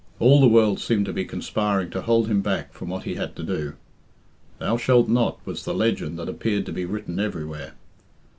All the world seemed to be conspiring to hold him back from what he had to do. "Thou shalt not" was the legend that appeared to be written everywhere.